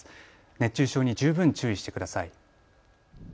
熱中症に十分注意してください。